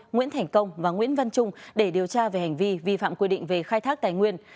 nguyễn thành công và nguyễn văn trung để điều tra về hành vi vi phạm quy định về khai thác tài nguyên